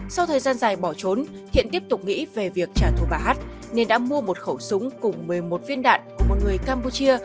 sau thời gian dài bỏ trốn hiện tiếp tục nghĩ về việc trả thù bà hát nên đã mua một khẩu súng cùng một mươi một viên đạn của một người campuchia